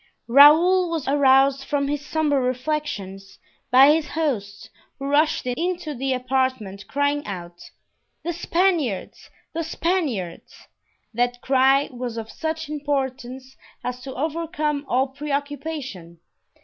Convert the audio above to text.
Raoul was aroused from his sombre reflections by his host, who rushed into the apartment crying out, "The Spaniards! the Spaniards!" That cry was of such importance as to overcome all preoccupation.